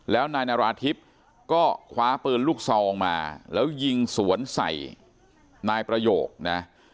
แล้วนายนาราธิบก็คว้าปืนลูกซองมาแล้วยิงสวนใส่นายประโยคนะ